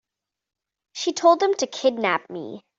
She told them to kidnap me.